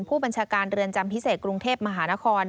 ผู้บัญชาการเรือนจำพิเศษกรุงเทพมหานคร